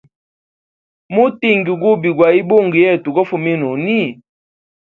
Mutingi gubi gwaibungo yetu gofumina huni.